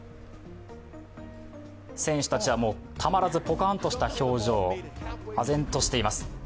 選手たちは、たまらずポカーンとした表情、あぜんとしています。